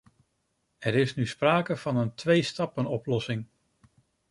Er is nu sprake van een "tweestappenoplossing”.